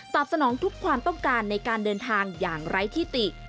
สนองทุกความต้องการในการเดินทางอย่างไร้ที่ติ